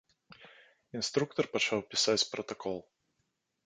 Інструктар пачаў пісаць пратакол.